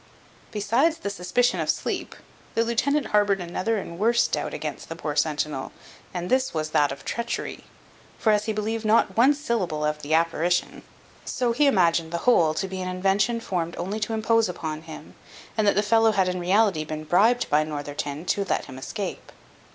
Besides the suspicion of sleep, the lieutenant harboured another and worse doubt against the poor centinel, and this was, that of treachery; for as he believed not one syllable of the apparition, so he imagined the whole to be an invention formed only to impose upon him, and that the fellow had in reality been bribed by Northerton to let him escape.